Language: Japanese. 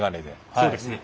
そうですね。